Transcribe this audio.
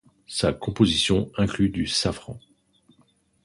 Sa composition inclut du safran.